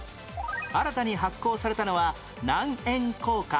新たに発行されたのは何円硬貨？